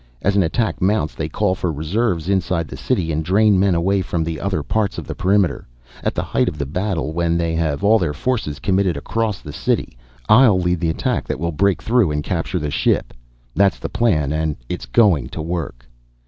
As an attack mounts they call for reserves inside the city and drain men away from the other parts of the perimeter. At the height of the battle, when they have all their forces committed across the city, I'll lead the attack that will break through and capture the ship. That's the plan and it's going to work."